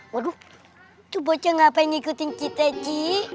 waduh tuh bocah ngapain ngikutin kita cik